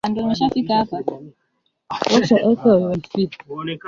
Hali ya California kitabu hiki kinatoa ufahamu mkubwa wa